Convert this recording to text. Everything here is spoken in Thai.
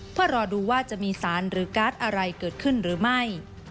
เพื่อรอดูว่าจะมีสารหรือการ์ดอะไรเกิดขึ้นหรือไม่